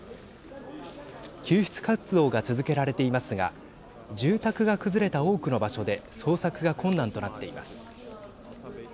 救出活動が続けられていますが住宅が崩れた多くの場所で捜索が困難となっています。